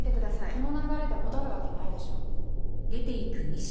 この流れで戻るわけないでしょ。